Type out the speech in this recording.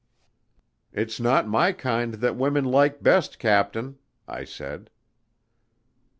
"It's not my kind that women like best, captain," I said.